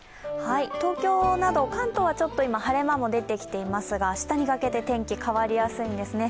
東京など関東はちょっと今、晴れ間も出ていますが明日にかけて天気変わりやすいんですね。